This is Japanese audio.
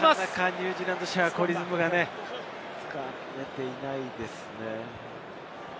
ニュージーランドとしてはリズムがつかめていないですね。